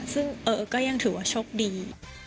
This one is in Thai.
ซึ่งก็ยังถือว่าโชคดี